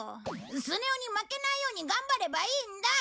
スネ夫に負けないように頑張ればいいんだ！